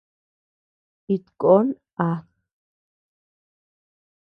It koon at.